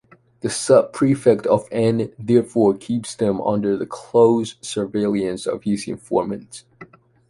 The sub-prefect of N therefore keeps them under the close surveillance of his informants.